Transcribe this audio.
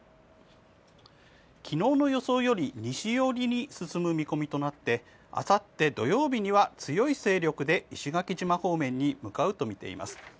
昨日の予想より西寄りに進む見込みとなってあさって土曜日には強い勢力で石垣島方面に向かうとみています。